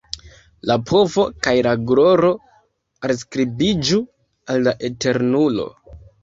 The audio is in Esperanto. La povo kaj la gloro alskribiĝu al la Eternulo.